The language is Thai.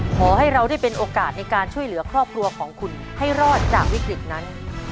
ขอให้เราได้เป็นโอกาสในการช่วยเหลือครอบครัวของคุณให้รอดจากวิกฤตนั้น